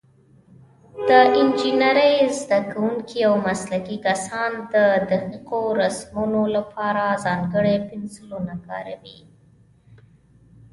د انجینرۍ زده کوونکي او مسلکي کسان د دقیقو رسمونو لپاره ځانګړي پنسلونه کاروي.